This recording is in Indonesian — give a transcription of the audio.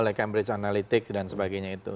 oleh cambridge analytics dan sebagainya itu